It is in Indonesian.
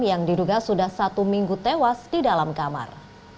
yang diduga sudah satu minggu tewas di dalam kamar